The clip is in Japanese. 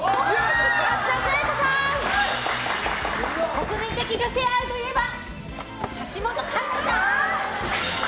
国民的女性アイドルといえば橋本環奈ちゃん！